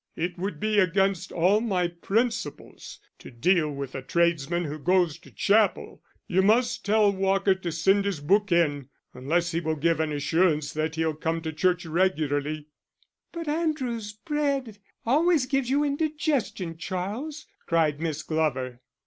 "It would be against all my principles to deal with a tradesman who goes to chapel. You must tell Walker to send his book in, unless he will give an assurance that he'll come to church regularly." "But Andrews's bread always gives you indigestion, Charles," cried Miss Glover.